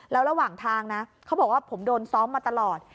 แล้วระหว่างทางนะเขาบอกว่าผมโดนซ้อมมาตลอด